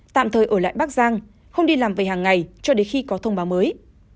tạm thời ở lại bắc giang không đi làm về hàng ngày cho đến khi có thông báo mới